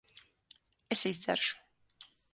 Es izdzeršu.